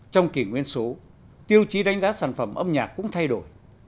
trong kỷ nguyên số tiêu chí đánh giá sản phẩm âm nhạc cũng thay đổi